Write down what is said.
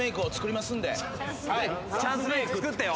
チャンスメイクつくってよ。